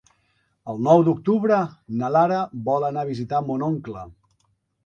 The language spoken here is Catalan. El nou d'octubre na Lara vol anar a visitar mon oncle.